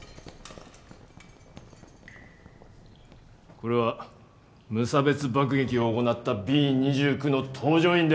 これは無差別爆撃を行ったＢ２９の搭乗員である。